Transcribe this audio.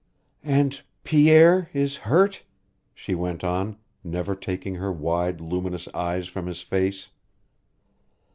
"And Pierre is hurt " she went on, never taking her wide, luminous eyes from his face.